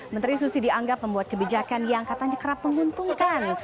menteri susi dianggap membuat kebijakan yang katanya kerap menguntungkan